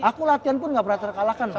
aku latihan pun gak pernah terkalah kan